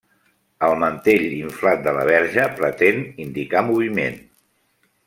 El mantell inflat de la Verge pretén indicar moviment.